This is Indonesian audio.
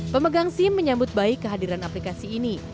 pemegang sim menyambut baik kehadiran aplikasi ini